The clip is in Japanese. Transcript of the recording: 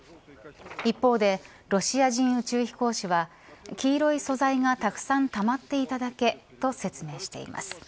一方で、ロシア人宇宙飛行士は黄色い素材がたくさんたまっていただけと説明しています。